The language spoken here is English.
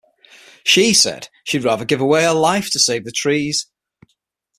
She said that she would rather give away her life to save the trees.